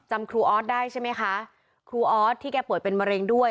ครูออสได้ใช่ไหมคะครูออสที่แกป่วยเป็นมะเร็งด้วย